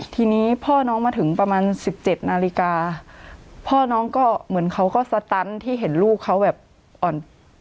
ทีนี้พ่อน้องมาถึงประมาณ๑๗นาฬิกาพ่อน้องก็เหมือนเขาก็สตันที่เห็นลูกเขาแบบอ่อน